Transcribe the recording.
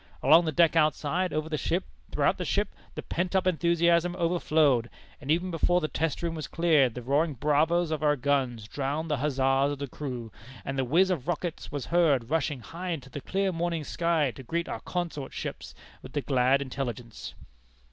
Along the deck outside, over the ship, throughout the ship, the pent up enthusiasm overflowed; and even before the test room was cleared, the roaring bravos of our guns drowned the huzzas of the crew, and the whiz of rockets was heard rushing high into the clear morning sky to greet our consort ships with the glad intelligence."